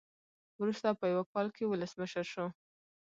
وروسته په یو کال کې ولسمشر شو.